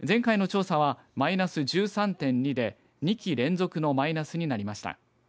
前回の調査はマイナス１３．２で２期連続のマイナスになりました。